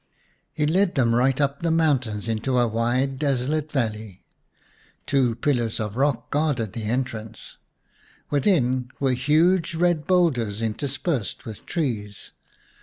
He led them right up the mountains into a wide desolate valley. Two pillars of rock guarded the entrance ; within were huge red boulders interspersed with trees.